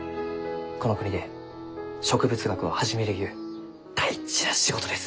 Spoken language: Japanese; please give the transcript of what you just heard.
この国で植物学を始めるゆう大事な仕事です。